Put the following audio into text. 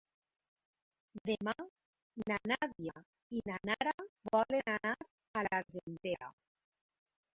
Demà na Nàdia i na Nara volen anar a l'Argentera.